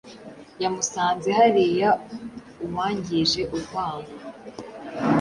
Yamusanze hariya uwangije urwango